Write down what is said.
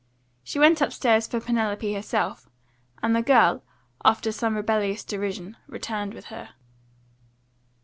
She went upstairs for Penelope herself, and the girl, after some rebellious derision, returned with her.